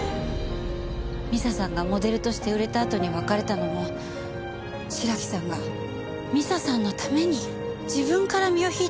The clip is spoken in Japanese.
美佐さんがモデルとして売れたあとに別れたのも白木さんが美佐さんのために自分から身を引いたんですよね？